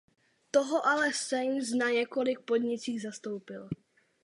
Toho ale Sainz na několika podnicích zastoupil.